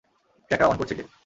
Tracker on করছে কে?